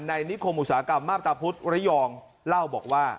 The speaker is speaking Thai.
นิคมอุตสาหกรรมมาพตาพุธระยองเล่าบอกว่า